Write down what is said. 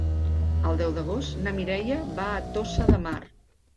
El deu d'agost na Mireia va a Tossa de Mar.